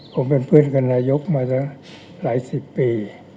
ผมเป็นเพื่อนกับนายกมาหลายสิบปี